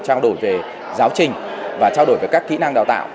trao đổi về giáo trình và trao đổi về các kỹ năng đào tạo